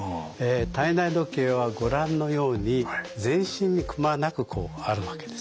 体内時計はご覧のように全身にくまなくあるわけですね。